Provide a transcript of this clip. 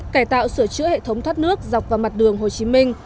cải tạo sửa chữa hệ thống thoát nước dọc vào mặt đường hồ chí minh